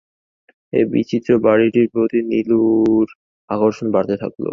এ বিচিত্র বাড়িটির প্রতি নীলুর আকর্ষণ বাড়তেই থাকল।